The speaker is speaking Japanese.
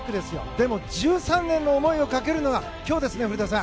でも、１３年の思いをかけるのは今日ですね、古田さん。